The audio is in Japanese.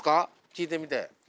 聞いてみて。